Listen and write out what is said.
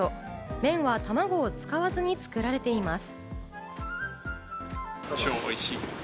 麺はたまごを使わずに作られています。